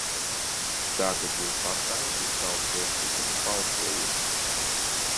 Tātad jūs pastāvat uz sava priekšlikuma balsojumu?